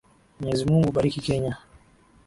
Mwenyezi Mungu Bariki Kenya.